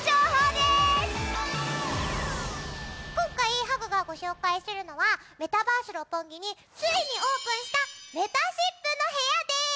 今回ハグがご紹介するのはメタバース六本木についにオープンしためたしっぷの部屋です！